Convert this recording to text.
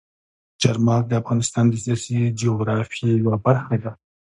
چار مغز د افغانستان د سیاسي جغرافیې یوه برخه ده.